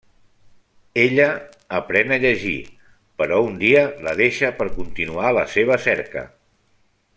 Ella aprèn a llegir, però un dia la deixa per continuar la seva cerca.